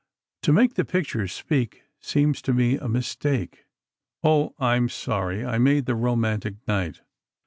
To make the pictures speak seems to me a mistake. Oh, I'm sorry I made the 'Romantic Night.